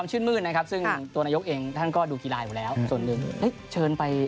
เชิงไปงานแต่งหรือ